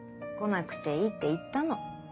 来なくていいって言ったの。